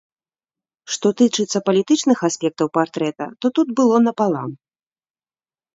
Што тычыцца палітычных аспектаў партрэта, то тут было напалам.